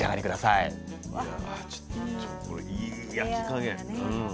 いやちょっとこれいい焼き加減。